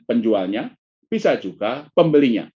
penjualnya bisa juga pembelinya